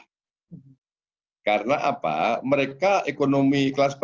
mereka juga mengatakan bahwa mereka akan menjaga kelas bawah